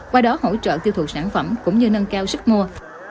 qua đó hỗ trợ tiêu thụ sản phẩm cũng như nâng cao sức mua